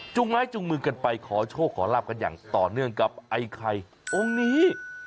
ไม้จุงมือกันไปขอโชคขอลาบกันอย่างต่อเนื่องกับไอ้ไข่องค์นี้